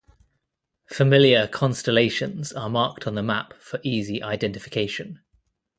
Familiar constellations are marked on the map for easy identification.